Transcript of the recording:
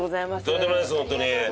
とんでもないですホントに。